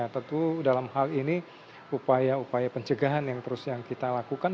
tentu dalam hal ini upaya upaya pencegahan yang terus yang kita lakukan